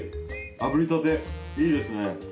あぶりたていいですね。